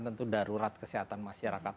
tentu darurat kesehatan masyarakat